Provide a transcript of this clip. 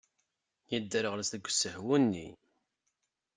Yedderɣel deg usehwu-nni.